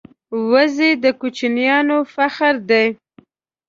وزې د کوچیانو فخر دی